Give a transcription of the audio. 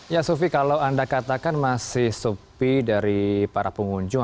ya sufi kalau anda katakan masih sepi dari para pengunjung